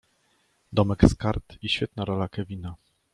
Domek z Kart i świetna rola Kevina.